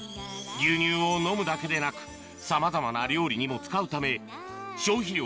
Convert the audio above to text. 牛乳を飲むだけでなくさまざまな料理にも使うため消費量